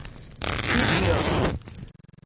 Bilmiyor.